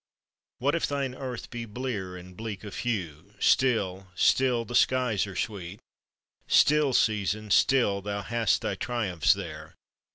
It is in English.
What if thine earth be blear and bleak of hue? Still, still the skies are sweet! Still, Season, still thou hast thy triumphs there!